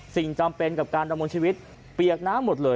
จำเป็นกับการดำรงชีวิตเปียกน้ำหมดเลย